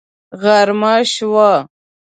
غرمه شوه